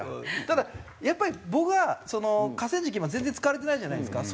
ただやっぱり僕は河川敷今全然使われてないじゃないですか。